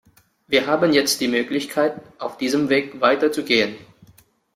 Wir haben jetzt die Möglichkeit, auf diesem Weg weiter zu gehen.